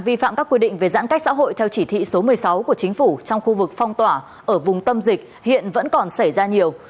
vi phạm các quy định về giãn cách xã hội theo chỉ thị số một mươi sáu của chính phủ trong khu vực phong tỏa ở vùng tâm dịch hiện vẫn còn xảy ra nhiều